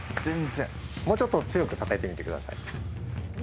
もうちょっと強く叩いてみてください。